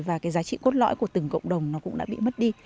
và cái giá trị cốt lõi của từng cộng đồng nó cũng đã bị mất đi